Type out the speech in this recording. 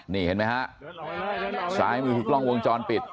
นี่เห็นไหมฮะซ้ายมือคือกล้องวงจรปิด